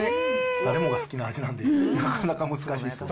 誰もが好きな味なんで、なかなか難しいですね。